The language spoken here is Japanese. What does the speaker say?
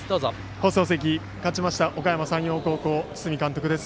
放送席、勝ちましたおかやま山陽、堤監督です。